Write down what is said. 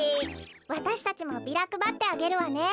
わたしたちもビラくばってあげるわね。